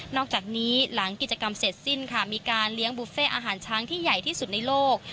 อกจากนี้หลังกิจกรรมเสร็จสิ้นค่ะมีการเลี้ยงบุฟเฟ่อาหารช้างที่ใหญ่ที่สุดในโลก